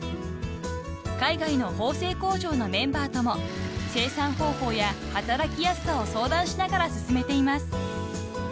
［海外の縫製工場のメンバーとも生産方法や働きやすさを相談しながら進めています］